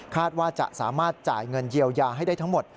ว่าจะสามารถจ่ายเงินเยียวยาให้ได้ทั้งหมด